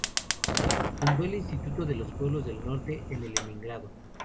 Fundó el Instituto de los Pueblos del Norte, en Leningrado.